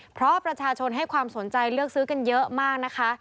เพราะประชาชนให้ความสนใจเลือกซื้อกันเยอะมากนะคะ